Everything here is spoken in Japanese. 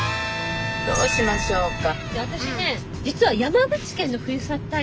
どうしましょうか？